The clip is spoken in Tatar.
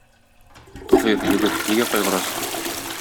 Таһир, егет, нигә кайгырасың?